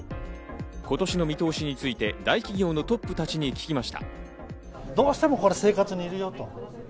今年の見通しについて大企業のトップたちに聞きました。